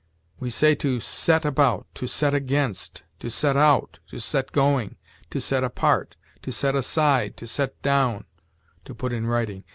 We say, to set about, to set against, to set out, to set going, to set apart, to set aside, to set down (to put in writing).